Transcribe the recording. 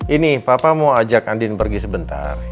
ini papa mau ajak andin pergi sebentar